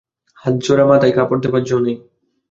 হাত জোড়া, মাথায় কাপড় দেবার জো নেই।